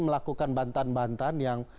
melakukan bantuan bantuan yang